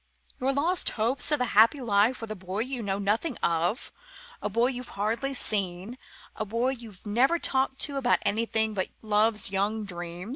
Your lost hopes of a happy life with a boy you know nothing of, a boy you've hardly seen, a boy you've never talked to about anything but love's young dream?"